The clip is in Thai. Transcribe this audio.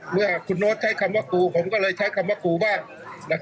เมื่อคุณโน๊ตใช้คำว่าครูผมก็เลยใช้คำว่าครูบ้าง